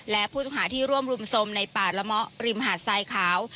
และผู้ต้องหาที่ร่วมรุมสมในป่าละเมาะริมหาดทรายขาว